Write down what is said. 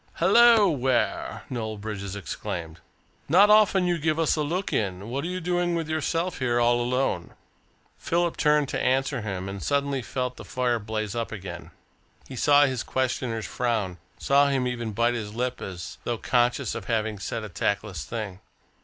"Hullo, Ware!" Noel Bridges exclaimed. "Not often you give us a look in. What are you doing with yourself here all alone?" Philip turned to answer him, and suddenly felt the fire blaze up again. He saw his questioner's frown, saw him even bite his lip as though conscious of having said a tactless thing.